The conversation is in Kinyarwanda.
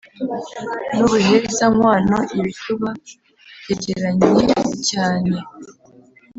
n'ubuheza-nkwano: ibituba byegeranye cya ne